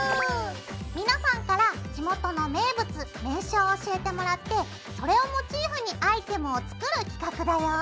皆さんから地元の名物名所を教えてもらってそれをモチーフにアイテムを作る企画だよ！